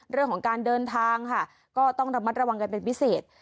เรื่องของการเดินทางค่ะก็ต้องระมัดระวังกันเป็นพิเศษ